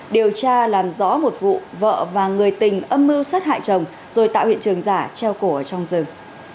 điều tra làm rõ một vụ vợ và người tình âm mưu sát hại chồng rồi tạo hiện trường giả treo cổ ở trong rừng